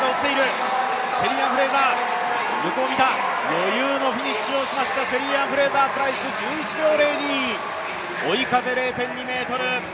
余裕のフィニッシュをしましたシェリーアン・フレイザープライス１１秒０２、追い風０．２メートル。